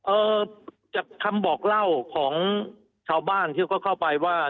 เอ่อจากคำบอกเล่าของชาวบ้านที่เขาเข้าไปว่า